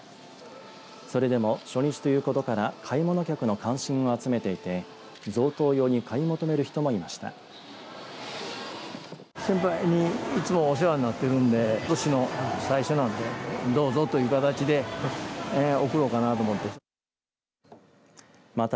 それでも、初日ということから買い物客の関心を集めていて贈答用に買い求める人もいました。